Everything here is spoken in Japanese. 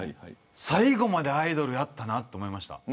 最後までアイドルやったなと思いました。